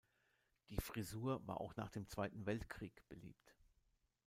Die Frisur war auch nach dem Zweiten Weltkrieg beliebt.